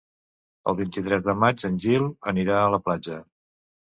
El vint-i-tres de maig en Gil anirà a la platja.